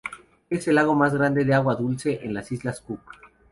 Es el lago más grande de agua dulce en las Islas Cook.